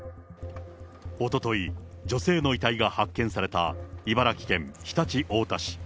おととい、女性の遺体が発見された茨城県常陸太田市。